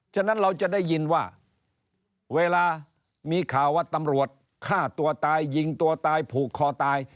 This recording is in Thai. ฉะนั้นเราจะได้ยินว่าเวลามีข่าวว่าตำรวจฆ่าตัวตายยิงตัวตายผูกคอตาย